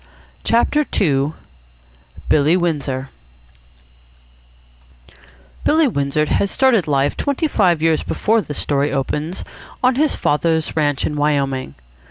CHAPTER II BILLY WINDSOR Billy Windsor had started life twenty five years before this story opens on his father's ranch in Wyoming.